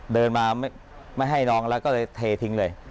เดินมาไม่ให้น้องแล้วก็เลยเททิ้งเลย